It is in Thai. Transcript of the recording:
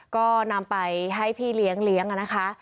ก็นำไปให้พี่เลี้ยงเลี้ยงนะคะ